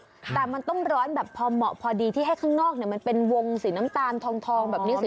ใช่ครับมันต้นร้อนแบบพอเหมาะพอดีที่ให้ข้างนอกมันเป็นวงสีน้ำตาลทองแบบนี้สวย